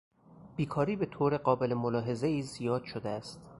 بیکاری به طور قابل ملاحظهای زیاد شده است.